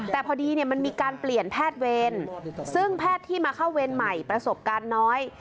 แต่พอดีเนี่ยมันมีการเปลี่ยนแพทย์เวรซึ่งแพทย์ที่มาเข้าเวรใหม่ประสบการณ์น้อย